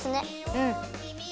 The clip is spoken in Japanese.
うん。